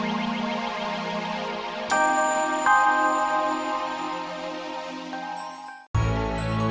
terima kasih banyak bagi